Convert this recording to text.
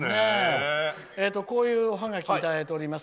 こういうおハガキをいただいております。